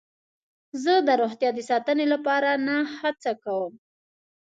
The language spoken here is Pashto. زه د روغتیا د ساتنې لپاره نه هڅه کوم.